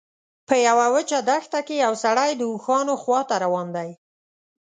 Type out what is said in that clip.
په یوه وچه دښته کې یو سړی د اوښانو خواته روان دی.